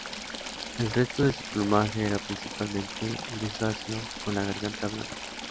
El resto de su plumaje era principalmente grisáceo, con la garganta blanca.